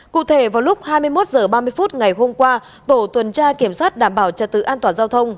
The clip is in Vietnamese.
cụ thể vào lúc hai mươi một h ba mươi phút ngày hôm qua tổ tuần tra kiểm soát đảm bảo trật tự an toàn giao thông